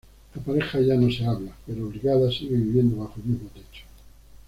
La pareja ya no se habla, pero, obligada, sigue viviendo bajo el mismo techo.